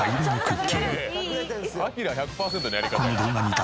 アキラ１００％のやり方や。